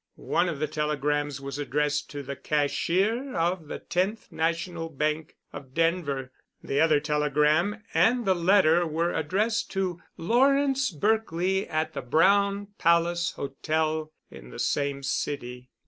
One of the telegrams was addressed to the cashier of the Tenth National Bank of Denver—the other telegram and the letter were addressed to Lawrence Berkely at the Brown Palace Hotel in the same city.